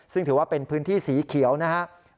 ซึ่งถือว่าเป็นพื้นที่สีเขียวนะครับ